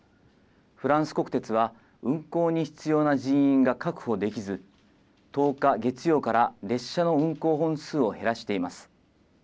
フランス国鉄は、運行に必要な人員が確保できず、１０日月曜から列車の運行本数を減らしています。